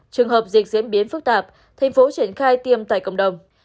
trường hợp dịch diễn biến phức tạp thành phố triển khai tiêm tại cộng đồng